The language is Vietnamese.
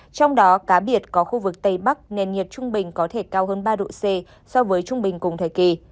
trong đó cá biệt có khu vực tây bắc nền nhiệt trung bình có thể cao hơn ba độ c so với trung bình cùng thời kỳ